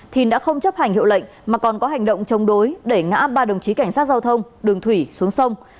thìn đã không chấp hành hiệu lệnh mà còn có hành động chống đối để ngã ba đồng chí cảnh sát giao thông đường thủy xuống sông